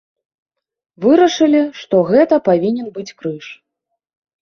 Вырашылі, што гэта павінен быць крыж.